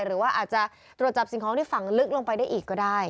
หรือว่าอาจจะตรวจจับสิ่งของที่ฝังลึกลงไปได้อีกก็ได้